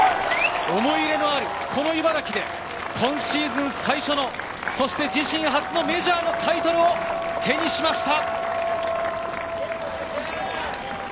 思い入れのあるこの茨城で今シーズン最初の、そして自身初のメジャーのタイトルを手にしました！